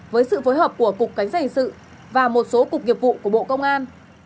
với sự phối hợp của cục cánh sản hình sự và một số cục nghiệp vụ của bộ công an